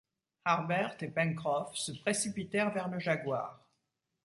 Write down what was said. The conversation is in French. Harbert et Pencroff se précipitèrent vers le jaguar.